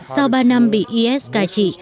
sau ba năm bị is cài trị